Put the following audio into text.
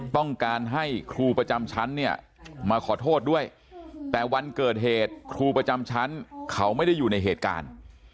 ต้องการให้ครูประจำชั้นเนี่ยมาขอโทษด้วยแต่วันเกิดเหตุครูประจำชั้นเขาไม่ได้อยู่ในเหตุการณ์